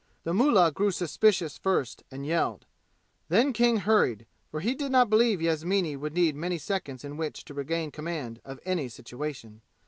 The mullah grew suspicions first and yelled. Then King hurried, for he did not believe Yasmini would need many seconds in which to regain command of any situation.